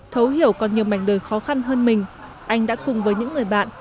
thấu hiểu còn nhiều mảnh đời khó khăn hơn mình anh đã cùng với những người bạn